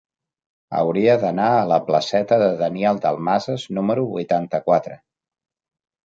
Hauria d'anar a la placeta de Daniel Dalmases número vuitanta-quatre.